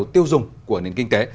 tiêu dùng của nền kinh tế